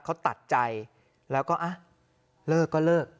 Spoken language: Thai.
เขาตัดใจแล้วก็อ่ะเลิกก็เลิก